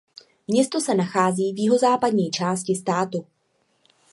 Město se nachází v jihozápadní části státu.